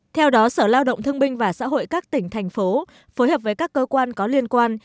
theo đó sở lao động thương binh và xã hội các tỉnh thành phố phối hợp với các cơ quan có liên quan